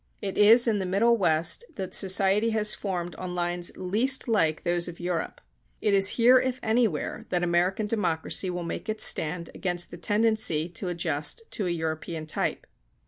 It is in the Middle West that society has formed on lines least like those of Europe. It is here, if anywhere, that American democracy will make its stand against the tendency to adjust to a European type.